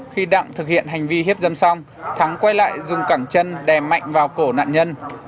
khi đặng thực hiện hành vi hiếp dâm xong thắng quay lại dùng cẳng chân đè mạnh vào cổ nạn nhân